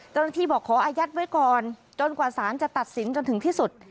เจ้าหน้าที่บอกขออายัดไว้ก่อนจนกว่าสารจะตัดสินจนถึงที่สุด